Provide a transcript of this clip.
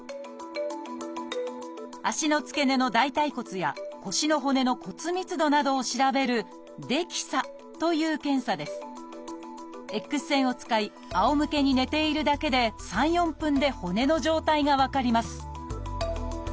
足の付け根の大腿骨や腰の骨の骨密度などを調べるＸ線を使いあおむけに寝ているだけで３４分で骨の状態が分かります